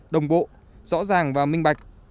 đồng bộ rõ ràng và minh bạch